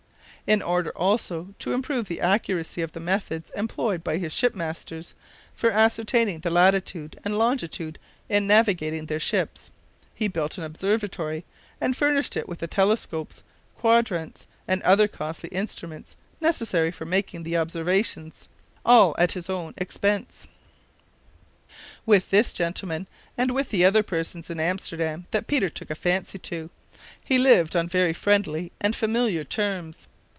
In order also to improve the accuracy of the methods employed by his ship masters for ascertaining the latitude and longitude in navigating their ships, he built an observatory, and furnished it with the telescopes, quadrants, and other costly instruments necessary for making the observations all at his own expense. With this gentleman, and with the other persons in Amsterdam that Peter took a fancy to, he lived on very friendly and familiar terms.